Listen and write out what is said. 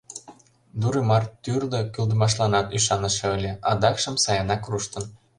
Дуремар тӱрлӧ кӱлдымашланат ӱшаныше ыле, адакшым сайынак руштын.